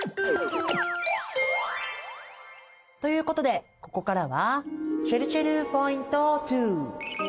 ということでここからはちぇるちぇるポイント２！